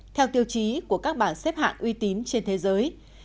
theo tiêu chí của các bảng xếp hạng uy tín trên thế giới